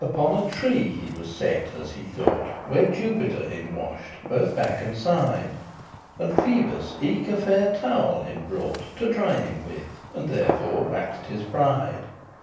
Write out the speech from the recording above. Upon a tree he was set, as he thought, Where Jupiter him wash'd, both back and side, And Phoebus eke a fair towel him brought To dry him with; and therefore wax'd his pride.